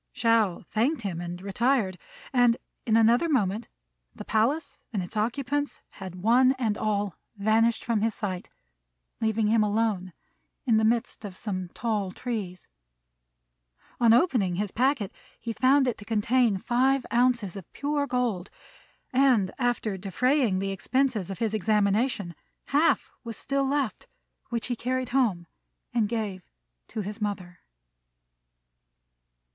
Shao thanked him and retired; and in another moment the palace and its occupants had one and all vanished from his sight, leaving him alone in the midst of some tall trees. On opening his packet he found it to contain five ounces of pure gold; and, after defraying the expenses of his examination, half was still left, which he carried home and gave to his mother.